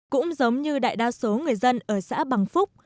cũng giống như đại đa số người dân ở xã bằng phúc